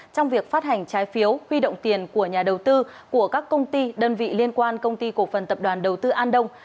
trong việc phát hành trái phiếu huy động tiền của nhà đầu tư của các công ty đơn vị liên quan công ty cổ phần tập đoàn đầu tư an đông